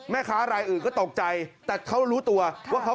แม่ค้าอะไรอื่นก็ตกใจเขารู้ตัวว่าเขากำลังทะเลาะกับผี